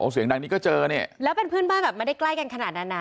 เสียงดังนี้ก็เจอเนี่ยแล้วเป็นเพื่อนบ้านแบบไม่ได้ใกล้กันขนาดนั้นอ่ะ